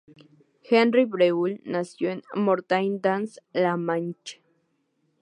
Henri Breuil nació en Mortain dans la Manche.